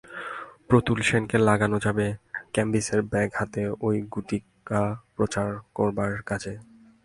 প্রতুল সেনকে লাগানো যাবে ক্যাম্বিসের ব্যাগ হাতে ওই গুটিকা প্রচার করবার কাজে।